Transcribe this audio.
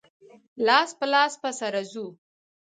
لاس په لاس به سره ځو.